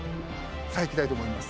さあいきたいと思います。